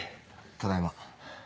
ただいま。